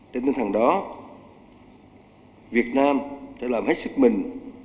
trên tinh thần đó việt nam sẽ làm hết sức mình